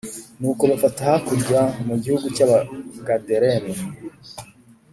Nuko bafata hakurya mu gihugu cy Abagadareni